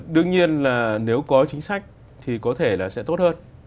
đương nhiên là nếu có chính sách thì có thể là sẽ tốt hơn